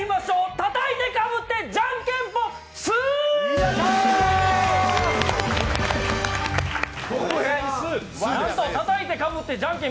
たたいてかぶってじゃんけんぽん